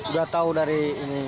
udah tau dari ini